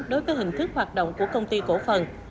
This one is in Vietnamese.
đối với hình thức hoạt động của công ty cổ phần